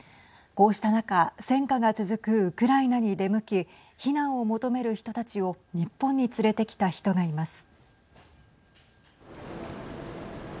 こうした中戦禍が続くウクライナに出向き避難を求める人たちを日本に連れてきた人がいます。